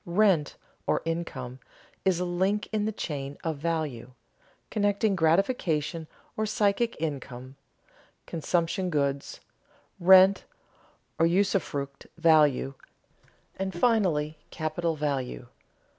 Rent, or income, is a link in the chain of value, connecting gratification or psychic income, consumption goods, rent or usufruct value, and finally capital value.